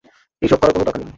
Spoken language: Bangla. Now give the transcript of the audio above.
এইসব করার কোন দরকার নেই।